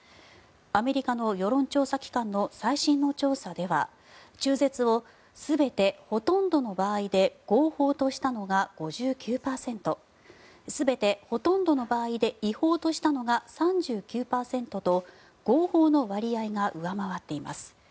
アメリカの世論調査機関の最新の調査では中絶を全て、ほとんどの場合で合法としたのが５９％全て、ほとんどの場合で違法としたのが３９％と合法の割合が上回っています。